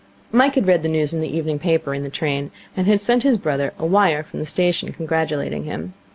Mike had read the news in the evening paper in the train, and had sent his brother a wire from the station, congratulating him.